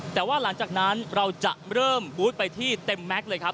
แต่ว่าหลังจากนั้นเราจะเริ่มบูธไปที่เต็มแม็กซ์เลยครับ